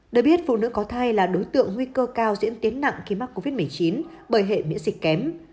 được biết phụ nữ có thai là đối tượng nguy cơ cao diễn tiến nặng khi mắc covid một mươi chín bởi hệ miễn dịch kém